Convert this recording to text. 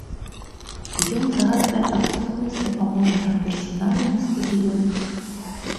Ён згадвае адсутнасць дапаможнага персаналу на стадыёнах.